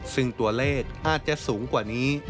ซึ่งตัวเลขอาจจะสูงกว่านี้